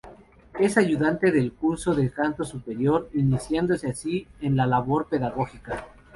Es ayudante del curso de Canto Superior, iniciándose así en la labor pedagógica.